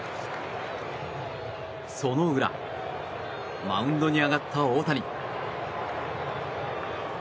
その裏マウンドに上がった大谷。